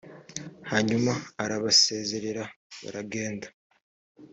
hanyuma arabasezerera baragenda,